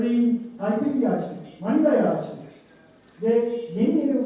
dan kita menempatkan destinasi di jauh jauh